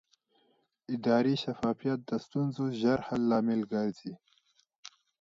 اداري شفافیت د ستونزو ژر حل لامل ګرځي